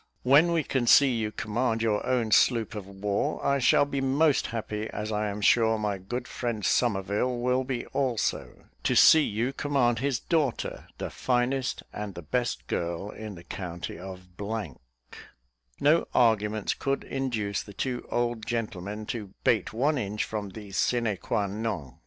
When we can see you command your own sloop of war, I shall be most happy, as I am sure my good friend Somerville will be also, to see you command his daughter, the finest and the best girl in the county of " No arguments could induce the two old gentlemen to bate one inch from these sine qua non.